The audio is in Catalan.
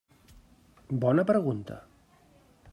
Bona pregunta.